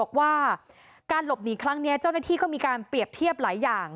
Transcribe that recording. บอกว่าการหลบหนีครั้งนี้เจ้าหน้าที่ก็มีการเปรียบเทียบหลายอย่าง